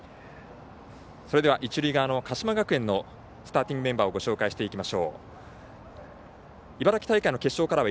それでは一塁側の鹿島学園のスターティングメンバーをご紹介します。